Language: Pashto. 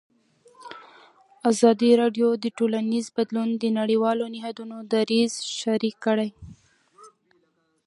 ازادي راډیو د ټولنیز بدلون د نړیوالو نهادونو دریځ شریک کړی.